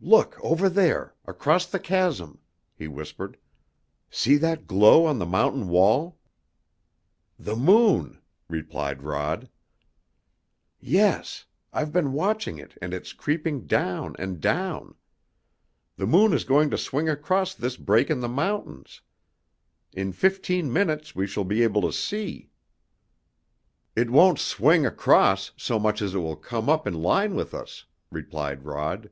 "Look over there across the chasm," he whispered. "See that glow on the mountain wall?" "The moon!" replied Rod. "Yes. I've been watching it, and it's creeping down and down. The moon is going to swing across this break in the mountains. In fifteen minutes we shall be able to see." "It won't swing across so much as it will come up in line with us," replied Rod.